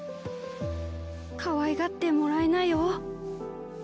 かわいがってもらいなよ。